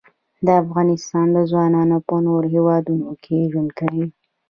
د افغانستان ځوانان په نورو هیوادونو کې ژوند کوي.